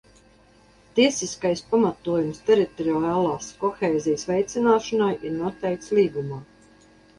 Tiesiskais pamatojums teritoriālās kohēzijas veicināšanai ir noteikts Līgumā.